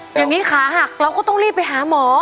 อย่างนี้ขาหักเราก็ต้องรีบไปหาหมอ